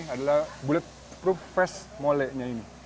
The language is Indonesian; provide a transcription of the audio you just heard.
ini adalah bulletproof face mole nya ini